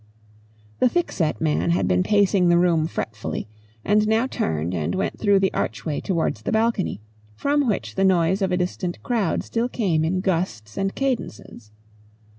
The thickset man had been pacing the room fretfully, and now turned and went through the archway towards the balcony, from which the noise of a distant crowd still came in gusts and cadences.